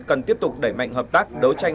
cần tiếp tục đẩy mạnh hợp tác đấu tranh